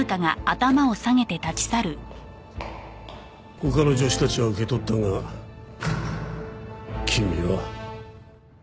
他の助手たちは受け取ったが君は。